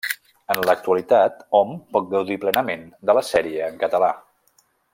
En l'actualitat, hom pot gaudir plenament de la sèrie en català.